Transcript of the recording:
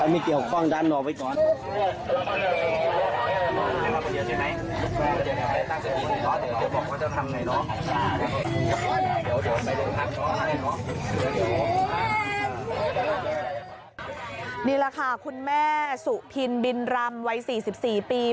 นี่แหละค่ะคุณแม่สุพินบินรำวัย๔๔ปี